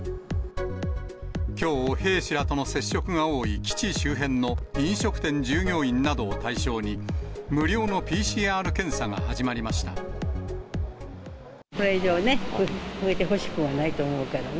きょう、兵士らとの接触が多い基地周辺の飲食店従業員などを対象に、これ以上ね、増えてほしくはないと思うからね。